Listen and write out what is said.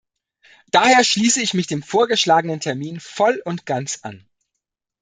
Daher schließe ich mich dem vorgeschlagenen Termin voll und ganz an.